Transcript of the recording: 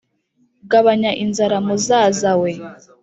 gabanya inzara muzaza we